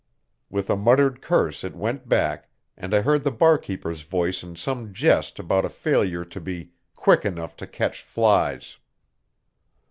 With a muttered curse it went back, and I heard the barkeeper's voice in some jest about a failure to be "quick enough to catch flies."